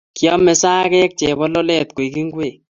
Kiame sagek chebololet koek ngwek